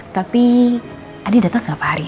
tapi adi datang ke apa hari ini